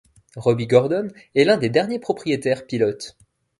Robby Gordon est l'un des derniers propriétaires pilote.